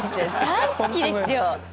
大好きですよ。